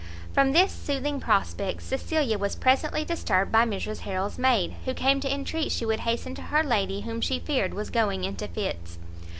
From this soothing prospect, Cecilia was presently disturbed by Mrs Harrel's maid, who came to entreat she would hasten to her lady, whom she feared was going into fits.